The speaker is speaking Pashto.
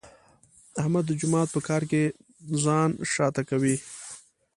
احمد د جومات په کار کې ځان شاته کوي.